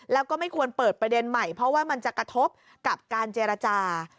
แล้วก็ไม่ควรเปิดประเด็นใหม่เพราะว่ามันจะกระทบกับการเจรจา